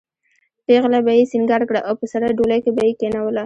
پېغله به یې سینګاره کړه او په سره ډولۍ کې به یې کېنوله.